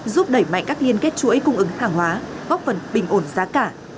giúp đẩy mạnh các liên kết chuỗi cung ứng hàng hóa góp phần bình ổn giá cả